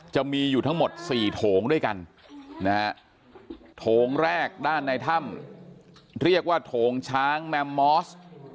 จะมีอยู่ทั้งหมด๔โถงด้วยกันนะฮะโถงแรกด้านในถ้ำเรียกว่าโถงช้างแมมมอส